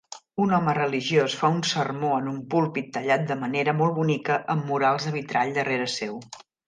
Un home religiós fa un sermó en un púlpit tallat de manera molt bonica amb murals de vitrall darrere seu.